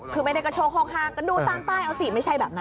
คือไม่ได้กระโชคห้างก็ดูตามป้ายเอาสิไม่ใช่แบบนั้น